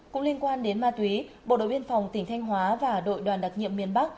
cũng liên quan đến ma túy bộ đội biên phòng tỉnh thanh hóa và đội đoàn đặc nhiệm miền bắc